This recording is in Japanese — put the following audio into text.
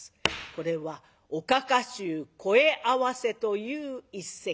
これは「おかか衆声合わせ」という一席。